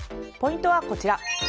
ポイントはこちら。